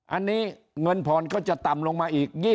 อันนี้เงินผ่อนก็จะต่ำลงมาอีก